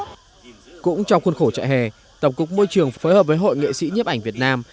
cũng trong khuôn khổ trại hè tổng cục môi trường phối hợp với hội nghệ sĩ nhấp ảnh việt nam